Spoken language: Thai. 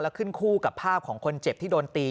แล้วขึ้นคู่กับภาพของคนเจ็บที่โดนตี